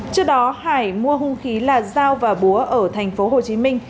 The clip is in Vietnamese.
trước đó hải mua hung khí là dao và búa ở tp hcm